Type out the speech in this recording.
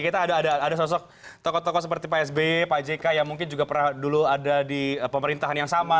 kita ada sosok tokoh tokoh seperti pak sby pak jk yang mungkin juga pernah dulu ada di pemerintahan yang sama